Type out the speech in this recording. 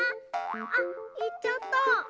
あっいっちゃった。